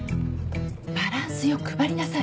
バランスよく配りなさい。